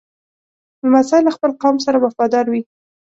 لمسی له خپل قوم سره وفادار وي.